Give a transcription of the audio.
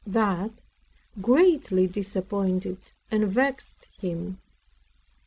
That greatly disappointed and vexed him.